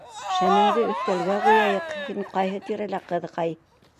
— Шәмеңде өҫтәлгә ҡуяйыҡ, һин ҡайһы тирәлә, ҡыҙыҡай?